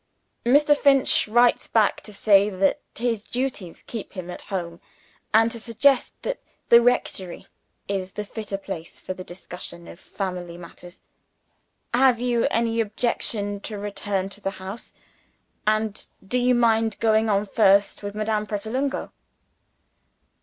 "Mr. Finch writes back to say that his duties keep him at home, and to suggest that the rectory is the fitter place for the discussion of family matters. Have you any objection to return to the house? And do you mind going on first with Madame Pratolungo?"